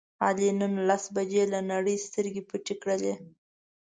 علي نن لس بجې له نړۍ سترګې پټې کړلې.